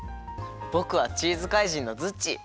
ぼくはチーズ怪人のズッチー！